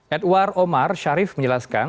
edward omar sharif menjelaskan